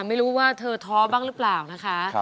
ไม่รู้ว่าเธอท้อบ้างหรือเปล่านะคะ